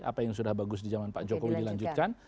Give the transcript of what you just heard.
apa yang sudah bagus di zaman pak jokowi dilanjutkan